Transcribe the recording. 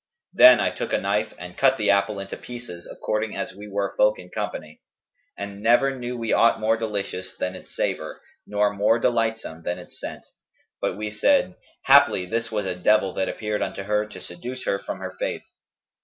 Then I took a knife and cut the apple into pieces according as we were folk in company; and never knew we aught more delicious than its savour nor more delightsome than its scent; but we said, 'Haply this was a devil that appeared unto her to seduce her from her faith.'